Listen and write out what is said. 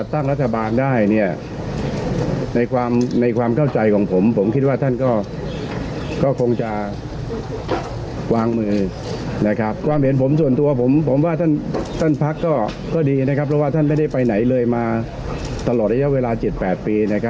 ที่ไหนเลยมาตลอดอย่างเวลา๗๘ปี